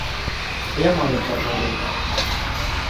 А я маме пожалуюсь.